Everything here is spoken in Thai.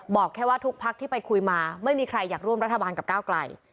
บอกแค่ว่าทุกพักที่ไปคุยมาไม่มีใครอยากร่วมรัฐบาลกับก้าวไกล